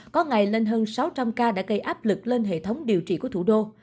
có ngày lên hơn sáu trăm linh ca đã gây áp lực lên hệ thống điều trị của thủ đô